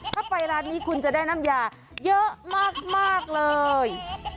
ถ้าไปร้านนี้คุณจะได้น้ำยาเยอะมากเลย